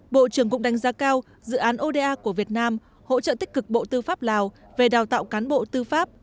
bộ trưởng cũng đánh giá cao dự án oda của việt nam hỗ trợ tích cực bộ tư pháp lào về đào tạo cán bộ tư pháp